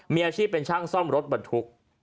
มีอาชีพเป็นช่างซ่อมรถบรรทุก